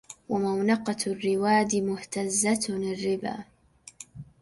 ومونقة الرواد مهتزة الربا